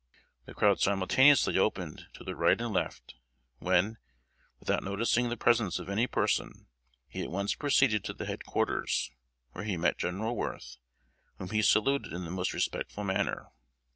The crowd simultaneously opened to the right and left, when, without noticing the presence of any person, he at once proceeded to the head quarters, where he met General Worth, whom he saluted in the most respectful manner.